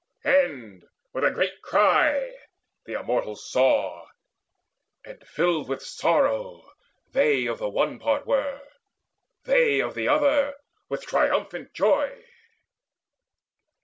And with a great cry the Immortals saw, And filled with sorrow they of the one part were, They of the other with triumphant joy.